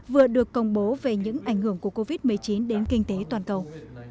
vừa được công bố về những ảnh hưởng của covid một mươi chín đến kinh tế toàn cầu